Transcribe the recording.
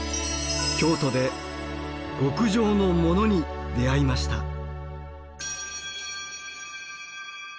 京都で極上のモノに出会いました。